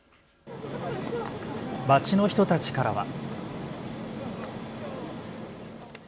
街の人たちからは。